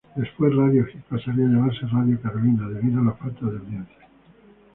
Despues Radio Hit pasaría a llamarse Radio Carolina debido a falta de audiencia.